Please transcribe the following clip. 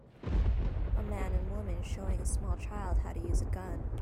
A man and woman showing a small child how to use a gun.